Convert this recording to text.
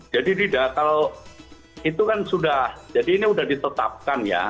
jadi tidak kalau itu kan sudah jadi ini sudah ditetapkan ya